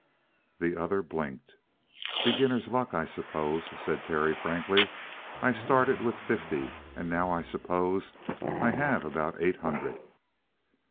The other blinked. "Beginner's luck, I suppose," said Terry frankly. "I started with fifty, and now I suppose I have about eight hundred."